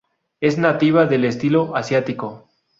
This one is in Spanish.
Es nativa del este asiático.